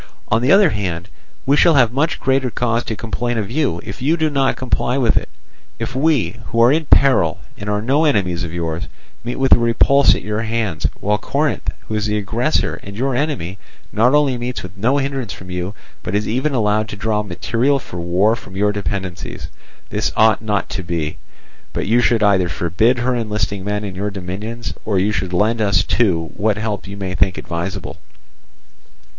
On the other hand, we shall have much greater cause to complain of you, if you do not comply with it; if we, who are in peril and are no enemies of yours, meet with a repulse at your hands, while Corinth, who is the aggressor and your enemy, not only meets with no hindrance from you, but is even allowed to draw material for war from your dependencies. This ought not to be, but you should either forbid her enlisting men in your dominions, or you should lend us too what help you may think advisable.